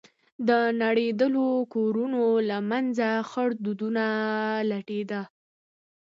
د نړېدلو كورونو له منځه خړ دودونه لټېدل.